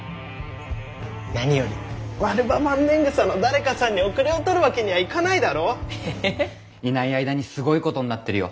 何よりマルバマンネングサの誰かさんに後れを取るわけにはいかないだろう？ええ？いない間にすごいことになってるよ